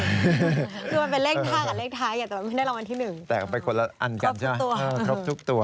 คือมันเป็นเลขท่ากับเลขท้ายแต่มันไม่ได้รางวัลที่หนึ่งครบทุกตัว